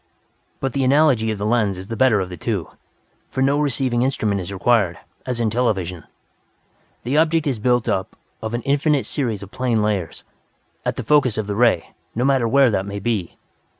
"But the analogy of the lens is the better of the two. For no receiving instrument is required, as in television. The object is built up of an infinite series of plane layers, at the focus of the ray, no matter where that may be.